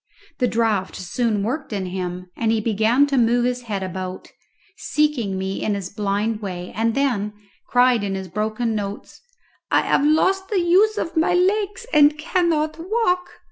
The draught soon worked in him, and he began to move his head about, seeking me in his blind way, and then cried in his broken notes, "I have lost the use of my legs and cannot walk.